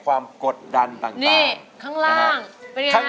แสดงแสดงแสดง